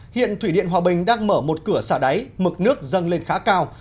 hiện thủy điện hòa bình đang mở một cửa xả đáy mực nước dâng lên khá cao